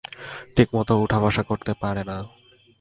ঠিকমত উঠা বসা করতে পারে না।